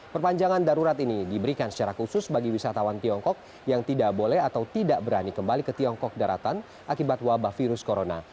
perpanjangan darurat ini diberikan secara khusus bagi wisatawan tiongkok yang tidak boleh atau tidak berani kembali ke tiongkok daratan akibat wabah virus corona